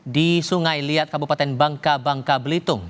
di sungai liat kabupaten bangka bangka belitung